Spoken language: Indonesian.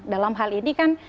dalam hal ini kan